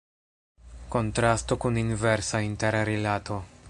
Kontrasto kun inversa interrilato.